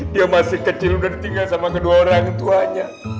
dia masih kecil udah ditinggal sama kedua orang tuanya